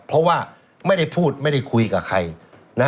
เพราะว่าไม่ได้พูดไม่ได้คุยกับใครนะ